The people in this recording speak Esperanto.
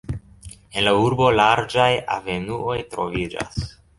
En la urbo larĝaj avenuoj troviĝas.